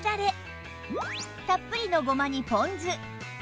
たっぷりのごまにポン酢